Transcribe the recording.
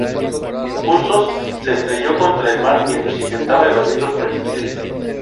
Bustos se estrelló contra el mar mientras intentaba evadir los proyectiles.